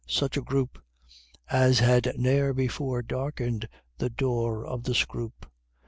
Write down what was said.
such a group As had ne'er before darkened the door of the Scroope!